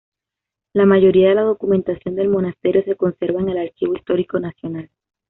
La mayoría de la documentación del monasterio se conserva en el Archivo Histórico Nacional.